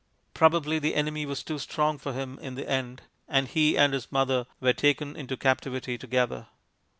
Probably the enemy was too strong for him in the end, and he and his mother were taken into captivity together.